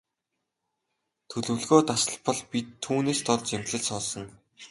Төлөвлөгөө тасалбал бид түүнээс дор зэмлэл сонсоно.